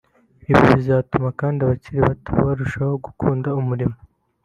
Ibi bizatuma kandi abakiri bato barushaho gukunda umurimo